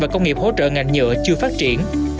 và công nghiệp hỗ trợ ngành nhựa chưa phát triển